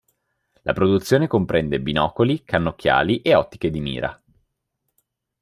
La produzione comprende binocoli, cannocchiali e ottiche di mira.